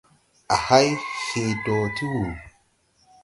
A hay hee dɔɔ ti wùu.